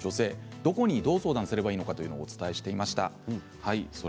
どこに、どう相談したらいいのかお伝えしていました。